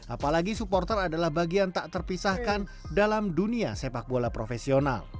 apalagi supporter adalah bagian tak terpisahkan dalam dunia sepak bola profesional